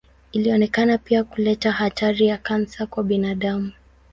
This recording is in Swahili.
Ilionekana pia kuleta hatari ya kansa kwa binadamu.